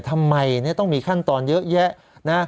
ทำไมต้องมีขั้นตอนเยอะแยะนะ